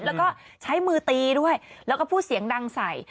แล้วก็ใช้มือตีด้วยแล้วก็พูดเสียงดังใส่